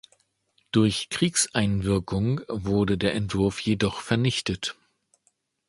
Durch Kriegseinwirkung wurde der Entwurf jedoch vernichtet.